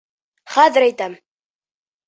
Хәҙер әйтәм.